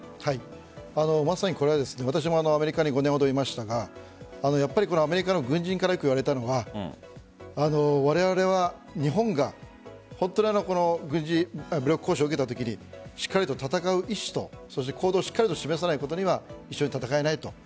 まさにこれは私もアメリカに５年ほどいましたがアメリカの軍人からよく言われたのはわれわれは日本が本当に武力行使を受けたときにしっかりと戦う意志と行動を示さないことには一緒に戦えないと。